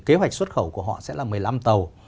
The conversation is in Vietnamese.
kế hoạch xuất khẩu của họ sẽ là một mươi năm tàu